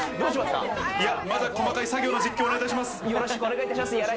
細かい作業の実況をお願いします。